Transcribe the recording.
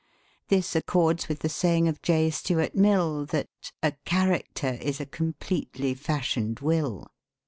This accords with the saying of J. Stuart Mill, that "a character is a completely fashioned will."